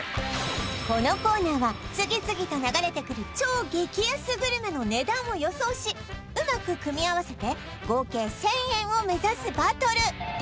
このコーナーは次々と流れてくる超激安グルメの値段を予想しうまく組み合わせて合計１０００円を目指すバトル